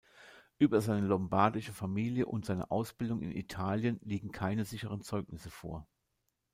Über seine lombardische Familie und seine Ausbildung in Italien liegen keine sicheren Zeugnisse vor.